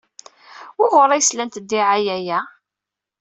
Wuɣur ay slant ddiɛaya-a?